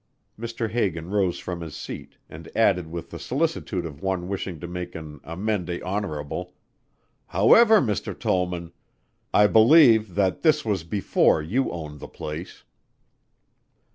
Mr. Hagan rose from his seat and added with the solicitude of one wishing to make the amende honorable, "However, Mr. Tollman, I believe that was before you owned the place."